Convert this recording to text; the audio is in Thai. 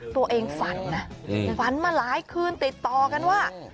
ฝันนะฝันมาหลายคืนติดต่อกันว่า